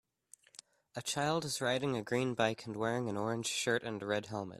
A child is riding a green bike and wearing an orange shirt and red helmet.